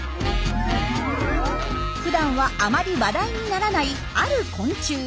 ふだんはあまり話題にならないある昆虫。